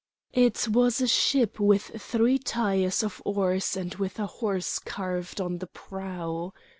It was a ship with three tiers of oars and with a horse carved on the prow.